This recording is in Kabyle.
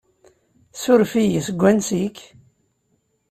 Suref-iyi, seg wansi-k?